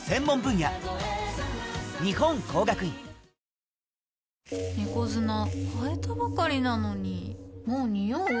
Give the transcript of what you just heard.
ニトリ猫砂替えたばかりなのにもうニオう？